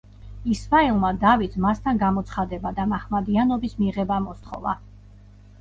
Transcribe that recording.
ისმაილმა დავითს მასთან გამოცხადება და მაჰმადიანობის მიღება მოსთხოვა.